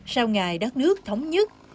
sau ngày đất nước thống nhất